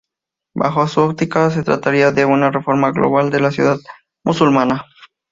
Bajo su óptica se trataría, de una reforma global de la ciudad musulmana.